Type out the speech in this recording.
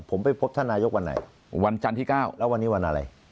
ผมไปพบท่านนายกวันไหนวันจันทร์ที่๙แล้ววันนี้วันอะไร